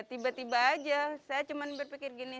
tiba tiba aja saya cuma berpikir gini